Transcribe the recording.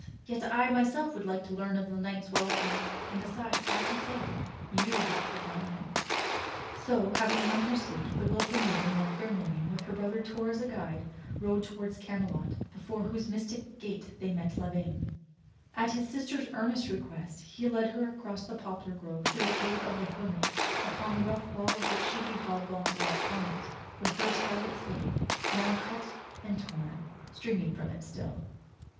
Yet I myself would like to learn of the knight's welfare; and besides, as you say, you have the diamond." So, having won her suit, the wilful maiden one fair morning, with her brother Torre as a guide, rode toward Canielot before whose mystic gate they met Lavaine. At his sister's earnest request he led her across the poplar grove to the cave of the hermit upon the rough wall of which she beheld I.<auncelot's helmet, with her scarlet sleeve, now cut and torn, streaming from it still.